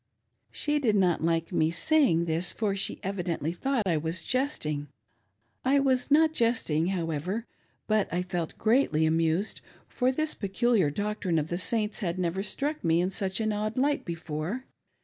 She did not like me saying this, for she evidently thought I was jesting. I was not jesting, however, but I felt greatly amused, for this peculiar doctrine of the Saints had never struck me in such an odd light before.